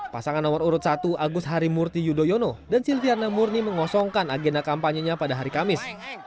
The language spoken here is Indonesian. pasangan nomor urut satu agus harimurti yudhoyono dan silviana murni mengosongkan agenda kampanyenya pada hari kamis